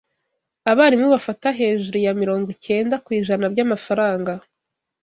abarimu bafata hejuru ya mirongwikenda ku ijana by'amafaranga